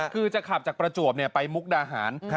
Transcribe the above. คือจะขับจากประจวบไปมุกดาหาร